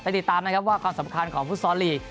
ติดตามนะครับว่าความสำคัญของฟุตซอลลีก